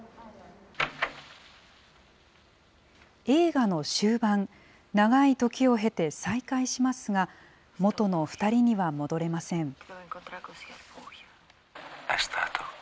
映画の終盤、長い時を経て再会しますが、もとの２人には戻れません。